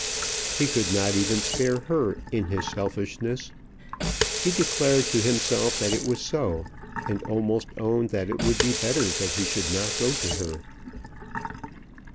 He could not even spare her in his selfishness. He declared to himself that it was so, and almost owned that it would be better that he should not go to her.